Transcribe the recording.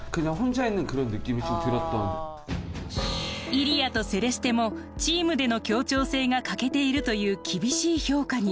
イリヤとセレステもチームでの協調性が欠けているという厳しい評価に。